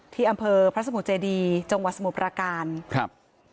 ที่อำเภอพระสมุทรเจดีจังหวัดสมุทรประการครับ